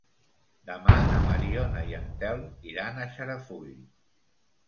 Demà na Mariona i en Telm iran a Xarafull.